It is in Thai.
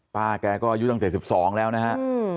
ป้าแกก็อายุตั้ง๗๒แล้วนะฮะ